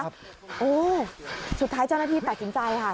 โอ้โหสุดท้ายเจ้าหน้าที่ตัดสินใจค่ะ